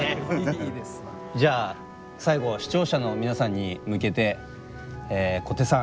じゃあ最後は視聴者の皆さんに向けて小手さん。